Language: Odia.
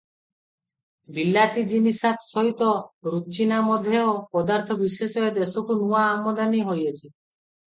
ବିଲାତି ଜିନିସାତ୍ ସହିତ ରୁଚିନାମଧେୟ ପଦାର୍ଥବିଶେଷ ଏ ଦେଶକୁ ନୂଆ ଆମଦାନୀ ହୋଇଅଛି ।